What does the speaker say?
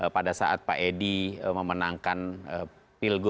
pada saat pak edi memenangkan pilgub